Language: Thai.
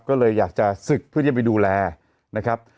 ก็เลยอยากจะศึกเพื่อจะไปดูแลนะครับ